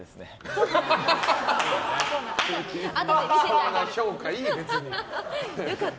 そんな評価いいよ、別に。